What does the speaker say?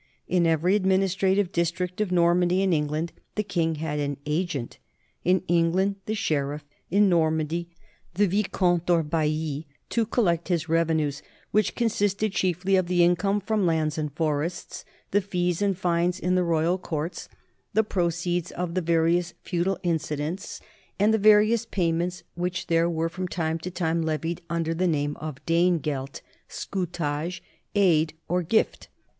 In every administrative district of Normandy and England the king had an agent in England the sheriff, in Normandy the vicomte or bailli to collect his rev enues, which consisted chiefly of the income from lands and forests, the fees and fines in the royal courts, the 104 NORMANS IN EUROPEAN HISTORY proceeds of the various feudal incidents, and the va rious payments which there were from time to time levied under the name of Danegeld, scutage, aid, or gift.